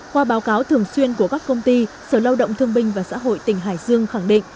qua báo cáo thường xuyên của các công ty sở lao động thương binh và xã hội tỉnh hải dương khẳng định